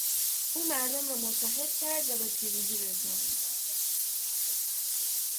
او مردم را متحد کرد و به پیروزی رساند.